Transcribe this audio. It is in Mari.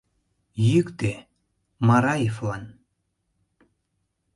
Йӱктӧ Мараевлан!